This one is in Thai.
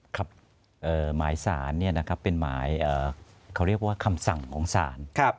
ครับหมายสารเนี่ยนะครับเป็นหมายเขาเรียกว่าคำสั่งของสาร